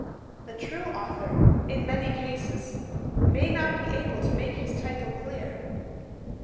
The true authour, in many cases, may not be able to make his title clear.